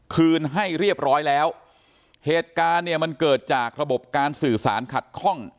คืนให้เรียบร้อยแล้วเหตุการณ์เนี่ยมันเกิดจากระบบการสื่อสารขัดข้อง